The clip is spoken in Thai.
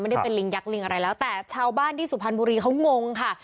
ได้เป็นลิงยักษลิงอะไรแล้วแต่ชาวบ้านที่สุพรรณบุรีเขางงค่ะ